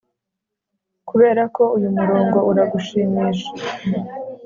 Kuberako uyu murongo uragushimisha